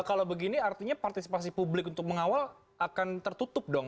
kalau begini artinya partisipasi publik untuk mengawal akan tertutup dong